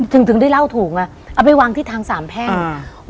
ถึงถึงได้เล่าถูกอ่ะเอาไปวางที่ทางสามแพ่งอ่า